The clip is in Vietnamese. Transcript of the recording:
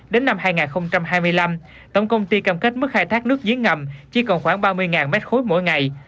đến năm hai nghìn hai mươi năm tổng công ty cam kết mức khai thác nước giếng ngầm chỉ còn khoảng ba mươi m ba mỗi ngày